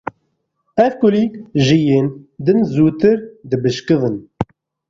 Ev kulîlk ji yên din zûtir dibişkivin.